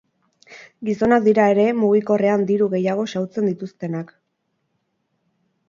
Gizonak dira ere, mugikorrean diru gehiago xahutzen dituztenak.